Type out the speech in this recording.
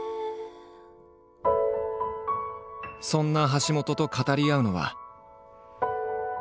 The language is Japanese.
そんな橋本と語り合うのは。